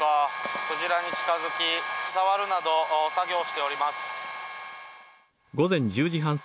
クジラに近づき、触るなど作業をしております。